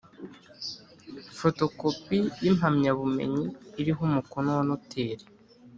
fotokopi y’impamyabumenyi iriho umukono wa noteri